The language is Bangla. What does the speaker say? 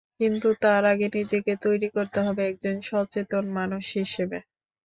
কিন্তু তার আগে নিজেকে তৈরি করতে হবে, একজন সচেতন মানুষ হিসেবে।